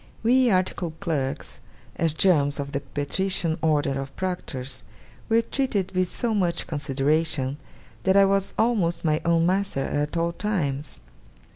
We articled clerks, as germs of the patrician order of proctors, were treated with so much consideration, that I was almost my own master at all times.